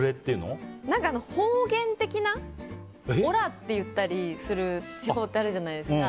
方言的な「おら」って言ったりする地方ってあるじゃないですか。